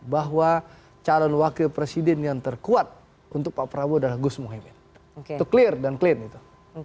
bahwa calon wakil presiden yang terkuat untuk pak prabowo adalah gus muhyiddin itu clear dan clean itu